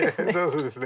そうですね。